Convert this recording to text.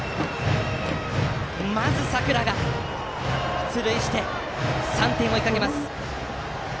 まず、佐倉が出塁して３点を追いかけます。